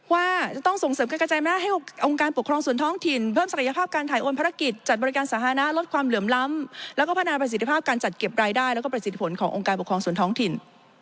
ว่าจะต้องส่งเสริมการกระจายมาให้องค์การปกครองส่วนท้องถิ่นเพิ่มศักยภาพการถ่ายโอนภารกิจจัดบริการสาธารณะลดความเหลื่อมล้ำแล้วก็พัฒนาประสิทธิภาพการจัดเก็บรายได้แล้วก็ประสิทธิผลขององค์การปกครองส่วนท้องถิ่น